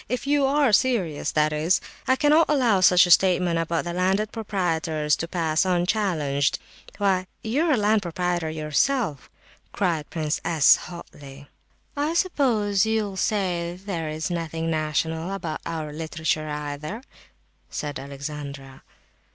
If you are serious, that is. I cannot allow such a statement about the landed proprietors to pass unchallenged. Why, you are a landed proprietor yourself!" cried Prince S. hotly. "I suppose you'll say there is nothing national about our literature either?" said Alexandra.